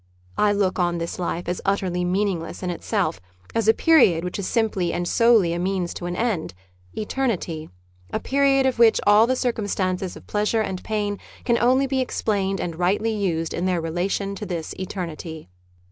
I look on this life as utterly meaningless in itself, as a period which is simply and solely a means to an end — Eternity — a period of which all the circumstances of pleasure and pain can only be explained and rightly used in their relation to this Eternity.